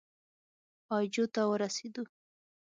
اي جو ته ورسېدو.